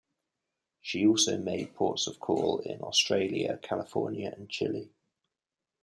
She also made ports of call in Australia, California, and Chile.